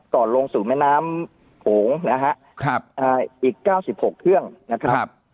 ก่อนลงสู่แม่น้ำขงนะฮะครับอ่าอีกเก้าสิบหกเครื่องนะครับ